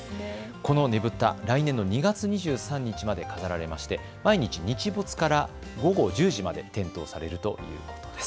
このねぶたは来年の２月２３日まで飾られまして毎日日没から午後１０時まで点灯されるということです。